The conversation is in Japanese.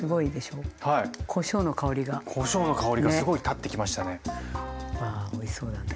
うわおいしそうだね。